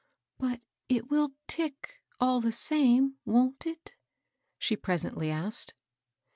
"But it will Uck all the same, wont it?" she presently asked.